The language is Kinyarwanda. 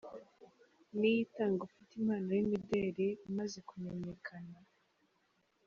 Niyitanga ufite impano y’imideli, umaze kumenyekana.